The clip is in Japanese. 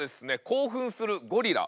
興奮するゴリラ。